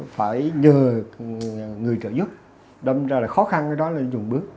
phải nhờ người trợ giúp đâm ra là khó khăn cái đó là dùng bước